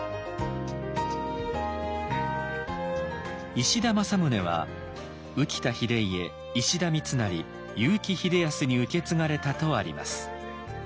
「石田正宗」は宇喜多秀家石田三成結城秀康に受け継がれたとあります。